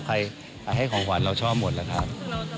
ใครให้ของขวัญเราชอบหมดแล้วครับ